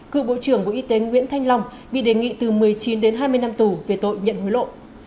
cựu bộ trưởng bộ y tế nguyễn thanh long bị đề nghị từ một mươi chín đến hai mươi năm tù về tội nhận hối lộ